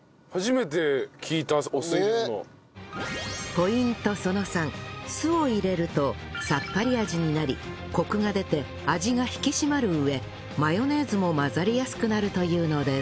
ポイントその３酢を入れるとさっぱり味になりコクが出て味が引き締まる上マヨネーズも混ざりやすくなるというのです